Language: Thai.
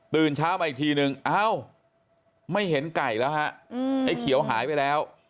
เช้ามาอีกทีนึงอ้าวไม่เห็นไก่แล้วฮะไอ้เขียวหายไปแล้ว